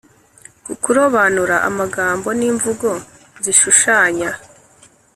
ku kurobanura amagambo n’imvugo zishushanya